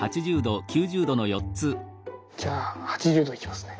じゃあ８０℃いきますね。